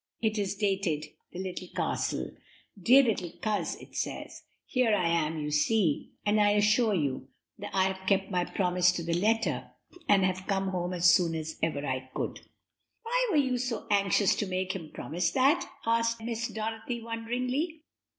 It is dated 'The Little Castle.' 'Dear little Coz,' it says, 'here I am, you see, and I assure you I have kept my promise to the letter, and have come home as soon as ever I could.'" "Why were you so anxious to make him promise that?" asked M iss Dorothy wonderingly.